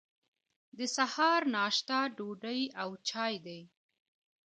د سهار ناشته ډوډۍ او چای دی.